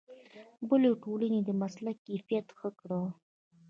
بلې ټولنې د مسلک کیفیت ښه کړ.